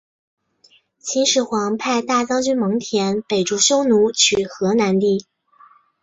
秦始皇派大将蒙恬北逐匈奴取河南地。